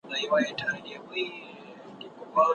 پوهان به خپل علم د خبرو د لارې ولېږدوي.